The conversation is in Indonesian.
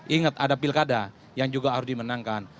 ingat ada pilkada yang juga harus dimenangkan